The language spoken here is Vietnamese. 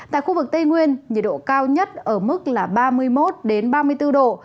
tại khu vực tây nguyên nhiệt độ cao nhất ở mức là ba mươi một ba mươi bốn độ